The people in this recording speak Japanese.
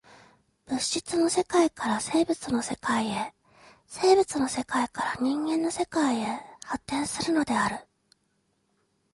物質の世界から生物の世界へ、生物の世界から人間の世界へ発展するのである。